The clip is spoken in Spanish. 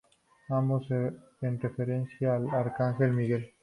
Ambos en referencia al arcángel Miguel.